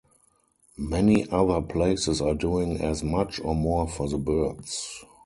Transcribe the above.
Many other places are doing as much or more for the birds.